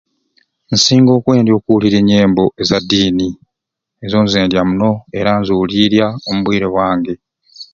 Nsinga okwendya okuwuliirya enyembo k'ezaddiini ezo zendya muno, era nziwuliirya, omu bwiire bwange.